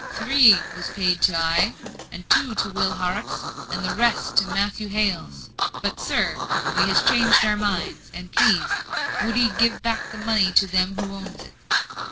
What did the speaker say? "Three was paid to I, two to Will Horrocks, and the rest to Matthew Hales. But, sir, we has changed our minds; and please, would 'ee give back the money to them as owns it?"